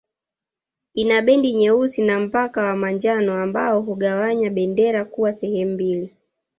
Ina bendi nyeusi na mpaka wa manjano ambao hugawanya bendera kuwa sehemu mbili